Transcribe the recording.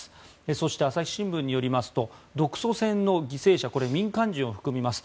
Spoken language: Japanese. そして、朝日新聞によりますと独ソ戦の犠牲者これ、民間人を含みます。